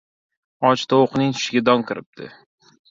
• Och tovuqning tushiga don kiribdi.